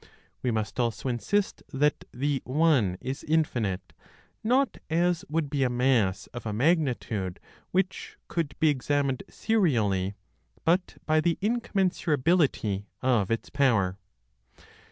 We must also insist that the One is infinite, not as would be a mass of a magnitude which could be examined serially, but by the incommensurability of its power.